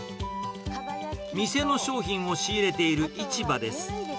店の商品を仕入れている市場です。